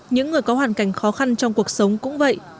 những người có hoàn cảnh khó khăn trong cuộc sống cũng vậy